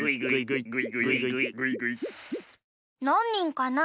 なんにんかな？